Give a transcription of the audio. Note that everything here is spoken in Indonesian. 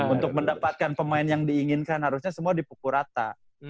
untuk mendapatkan pemain yang diinginkan harusnya semua dipukul rata